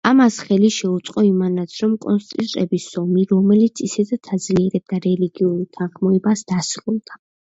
ამას ხელი შეუწყო იმანაც, რომ კონტრისტების ომი, რომელიც ისედაც აძლიერებდა რელიგიურ უთანხმოებას, დასრულდა.